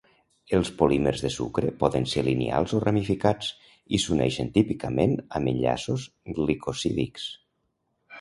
Els polímers de sucre poden ser lineals o ramificats i s'uneixen típicament amb enllaços glicosídics.